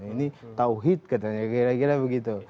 ini tauhid katanya kira kira begitu